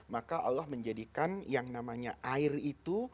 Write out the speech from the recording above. maka allah menjadikan yang namanya air itu